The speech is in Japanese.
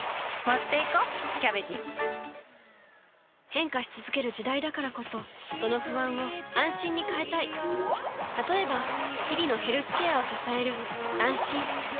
変化し続ける時代だからこそその不安を「あんしん」に変えたい例えば日々のヘルスケアを支える「あんしん」